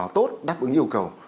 tốt đáp ứng yêu cầu